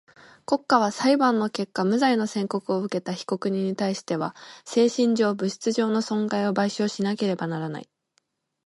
国家は裁判の結果無罪の宣告をうけた被告人にたいしては精神上、物質上の損害を賠償しなければならない。